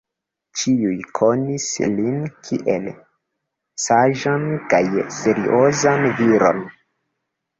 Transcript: Ĉiuj konis lin kiel saĝan kaj seriozan viron.